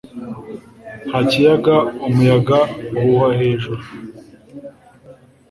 nka kiyaga umuyaga uhuha hejuru